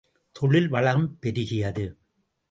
தொழில் வளம் பெருகியது.